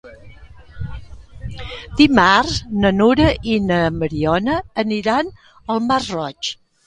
Dimarts na Nura i na Mariona aniran al Masroig.